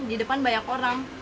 di depan banyak orang